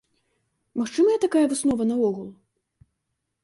Магчымая такая выснова наогул?